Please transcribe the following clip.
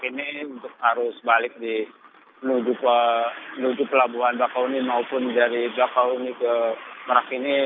saya bisa bahwa kondisi di pelabuhan merak ini arus balik di menuju pelabuhan bakahweni maupun dari bakahweni ke merak ini